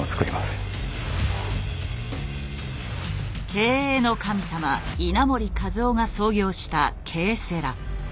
経営の神様稲盛和夫が創業したＫセラ。